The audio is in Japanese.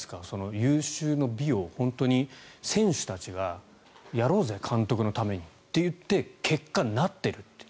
有終の美を本当に選手たちがやろうぜ、監督のためにっていって結果、なっているという。